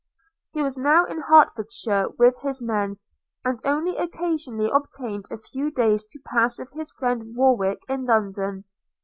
– He was now in Hertfordshire with his men; and only occasionally obtained a few days to pass with his friend Warwick in London.